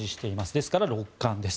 ですから六冠です。